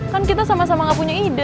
kan kita sama sama gak punya ide